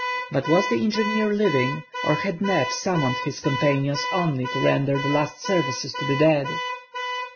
But was the engineer living, or had Neb summoned his companions only to render the last services to the dead?